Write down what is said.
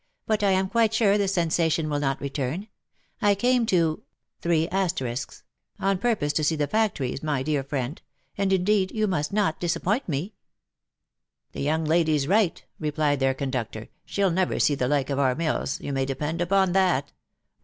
" But I am quite sure the sen sation will not return. I came to on purpose to see the factories, my dear friend, and, indeed, you must not disappoint me/' " The young lady's right," replied their conductor. " She'll never see the like of our mills, you may depend upon that.